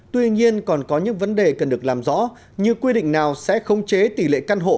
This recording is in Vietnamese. tuy nhiên còn có những vấn đề cần được làm rõ như quy định nào sẽ khống chế tỷ lệ căn hộ